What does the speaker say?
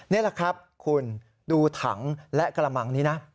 นี่แหละครับคุณดูถังและกระมังนี้นะ